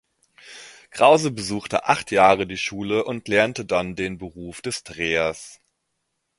Krause besuchte acht Jahre die Schule und lernte dann den Beruf des Drehers.